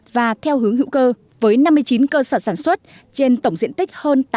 và theo hướng hữu cơ với năm mươi chín cơ sở sản xuất trên tổng diện tích hơn tám mươi